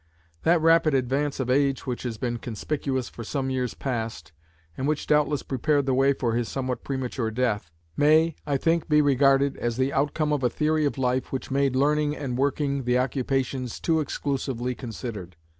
That rapid advance of age which has been conspicuous for some years past, and which doubtless prepared the way for his somewhat premature death, may, I think, be regarded as the outcome of a theory of life which made learning and working the occupations too exclusively considered.